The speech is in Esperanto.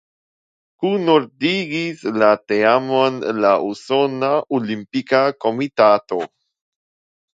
Kunordigis la teamon la Usona Olimpika Komitato.